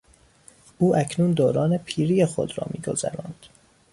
او اکنون دوران پیری خود را میگذراند.